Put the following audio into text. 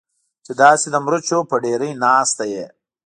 چې داسې د مرچو په ډېرۍ ناسته یې.